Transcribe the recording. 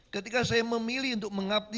ketika saya memilih untuk mengabdi